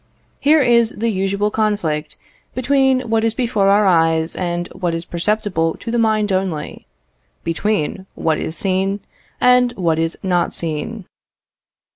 Here is the usual conflict between what is before our eyes and what is perceptible to the mind only; between what is seen and what is not seen.